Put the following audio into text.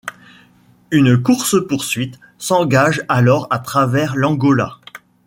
Une course-poursuite s'engage alors à travers l'Angola.